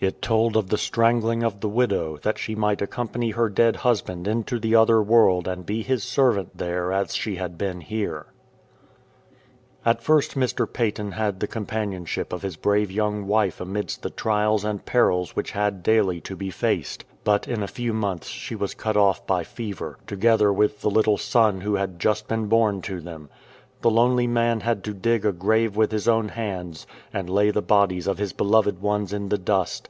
"" It told of the strangling of the widow, that she might accompany her dead husband into the other world and be his servant there as she had been here At first Mr. Paton had the companionship of his brave young wife amidst the trials and perils which had daily to be faced. But in a few months she was cut off by fever, together with the little son who had just been born to them. The lonely man had to dig a grave with his own hands, and lay the bodies of his beloved ones in the dust.